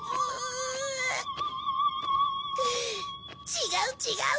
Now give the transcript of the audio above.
違う違う！